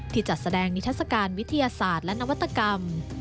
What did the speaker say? จัดแสดงนิทัศกาลวิทยาศาสตร์และนวัตกรรม